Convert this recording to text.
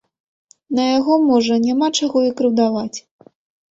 На яго, можа, няма чаго і крыўдаваць.